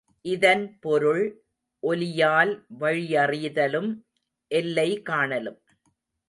இதன் பொருள் ஒலியால் வழியறிதலும் எல்லை காணலும்.